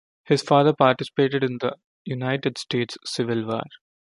His father participated in the United States Civil War.